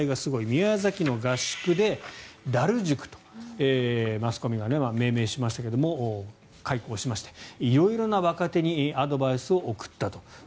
宮崎の合宿で、ダル塾とマスコミが命名しましたが開講しまして、色々な若手にアドバイスを送ったと。